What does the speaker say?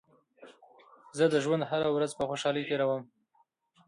زه د ژوند هره ورځ په خوشحالۍ تېروم.